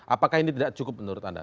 apakah ini tidak cukup menurut anda